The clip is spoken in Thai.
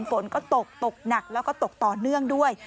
ฝนก็ตกตกหนักแล้วก็ตกต่อเนื่องด้วย